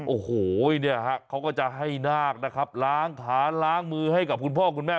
โอ้โหเนี่ยฮะเขาก็จะให้นาคนะครับล้างขาล้างมือให้กับคุณพ่อคุณแม่